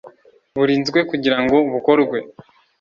Burinzwe kugira ngo bukorwe